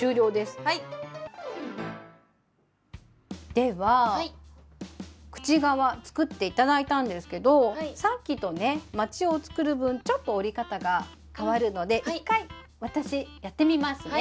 では口側作って頂いたんですけどさっきとねまちを作る分ちょっと折り方がかわるので１回私やってみますね。